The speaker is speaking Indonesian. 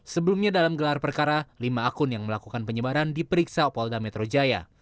sebelumnya dalam gelar perkara lima akun yang melakukan penyebaran diperiksa polda metro jaya